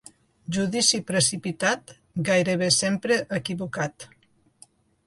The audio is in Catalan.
Judici precipitat, gairebé sempre equivocat.